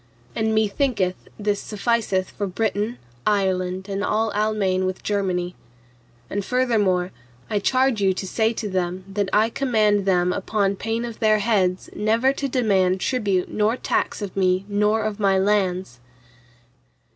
And methinketh this sufficeth for Britain, Ireland and all Almaine with Germany. And furthermore, I charge you to say to them, that I command them upon pain of their heads never to demand tribute nor tax of me nor of my lands.